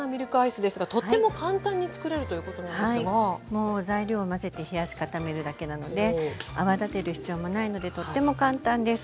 もう材料を混ぜて冷やし固めるだけなので泡立てる必要もないのでとっても簡単です。